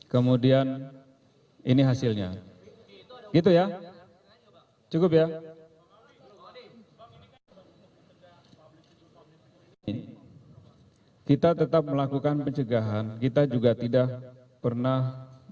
kemudian ini hasilnya gitu ya cukup ya kita tetap melakukan pencegahan kita juga tidak pernah